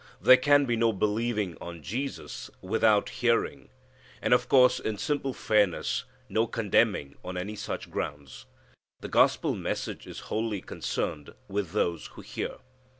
There can be no believing on Jesus without hearing, and of course in simple fairness no condemning on any such grounds. The gospel message is wholly concerned with those who hear.